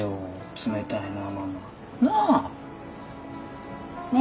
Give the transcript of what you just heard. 冷たいなママ。なあ？ねえ。